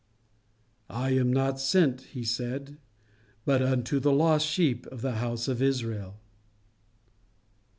"I am not sent," he said, "but unto the lost sheep of the house of Israel."